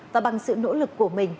và bằng sự nỗ lực của mình